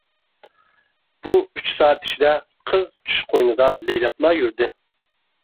بۇ ئۈچ سائەت ئىچىدە، قىز چۈش قوينىدا لەيلەپلا يۈردى.